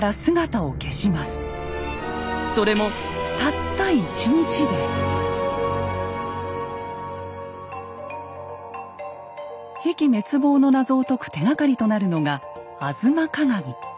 それも比企滅亡の謎を解く手がかりとなるのが「吾妻鏡」。